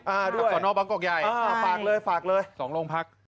อ่าด้วยฝากศรนอบังกอกใหญ่สองโรงพรรค